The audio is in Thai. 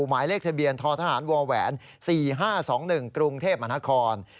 หมายเลขทะเบียนมมช๔๕๒๑กรุงเทพมหาคอน